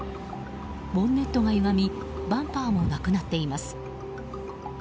ボンネットが歪みバンパーもなくなっています。